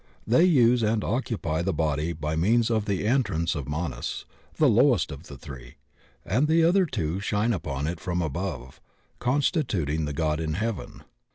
They use and occupy the body by means of the entrance of Manas, the lowest of the three, and the other two shine upon it from above, constituting the God in Heaven.